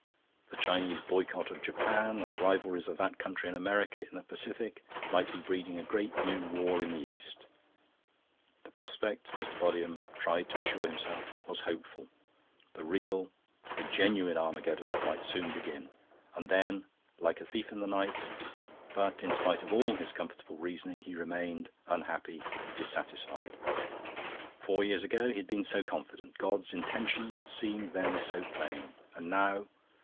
The Chinese boycott of Japan, and the rivalries of that country and America in the Pacific, might be breeding a great new war in the East. The prospect, Mr. Bodiham tried to assure himself, was hopeful; the real, the genuine Armageddon might soon begin, and then, like a thief in the night...But, in spite of all his comfortable reasoning, he remained unhappy, dissatisfied. Four years ago he had been so confident; God's intention seemed then so plain. And now?